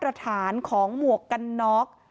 ถ้ามาตรฐานของหมวกกันน็อก